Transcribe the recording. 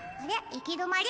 いきどまり？